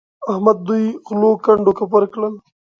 احمد دوی غلو کنډ او کپر کړل.